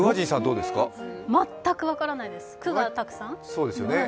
全く分からないです、くがたくさん？